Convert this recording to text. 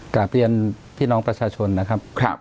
กลับเรียนพี่น้องประชาชนนะครับ